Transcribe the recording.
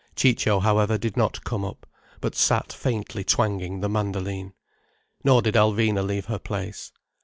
Ciccio however did not come up, but sat faintly twanging the mandoline. Nor did Alvina leave her place.